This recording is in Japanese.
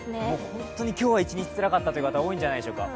本当に今日は一日つらかったという方、多いんじゃないでしょうか